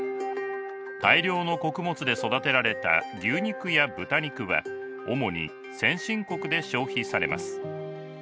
大量の穀物で育てられた牛肉や豚肉は主に先進国で消費されます。